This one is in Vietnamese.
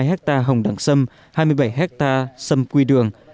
ba mươi hai hectare hồng đẳng xâm hai mươi bảy hectare xâm quy đường